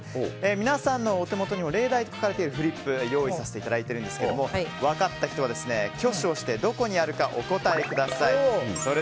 皆さんのお手元にも例題と書かれているフリップを用意させていただいているんですが分かった人は挙手をしてどこにあるかお答えください。